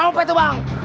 lopet tuh bang